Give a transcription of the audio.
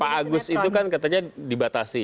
pak agus itu kan katanya dibatasi